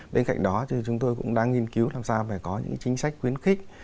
bên cạnh đó chúng tôi cũng đang nghiên cứu làm sao phải có những chính sách quyến khích